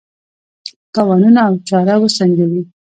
تاوانونه او چاره وسنجوي.